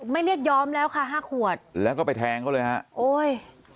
ไม่เรียกยอมแล้วค่ะห้าขวดแล้วก็ไปแทงเขาเลยฮะโอ้ย